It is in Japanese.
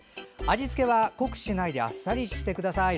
味付けは濃くしないであっさりしてください。